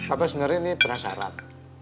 apa sendiri ini penasaran